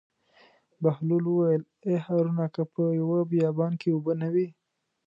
بهلول وویل: ای هارونه که په یوه بیابان کې اوبه نه وي.